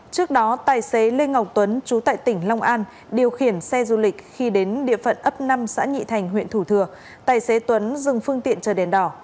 trước đó tài xế lê ngọc tuấn chú tại tỉnh long an điều khiển xe du lịch khi đến địa phận ấp năm xã nhị thành huyện thủ thừa tài xế tuấn dừng phương tiện chờ đèn đỏ